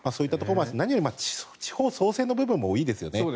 何よりも地方創生の部分もいいですよね。